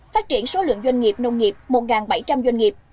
phát triển số lượng doanh nghiệp nông nghiệp một bảy trăm linh doanh nghiệp